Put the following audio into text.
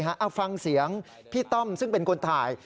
เอาฟังเสียงพี่ต้อมซึ่งเป็นคนถ่าย